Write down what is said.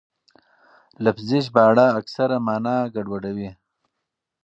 لفظي ژباړه اکثره مانا ګډوډوي.